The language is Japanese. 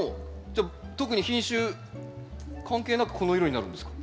じゃあ特に品種関係なくこの色になるんですか？